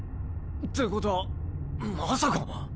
ってことはまさか。